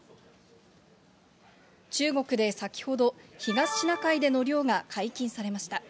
中国で先ほど、東シナ海での漁が解禁されました。